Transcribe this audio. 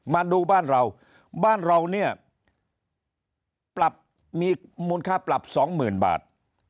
มาดูบ้านเราบ้านเราเนี่ยปรับมีมูลค่าปรับ๒๐๐๐บาท